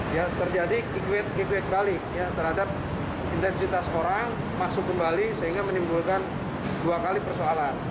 ya terjadi kickweat kickwayek balik terhadap intensitas orang masuk kembali sehingga menimbulkan dua kali persoalan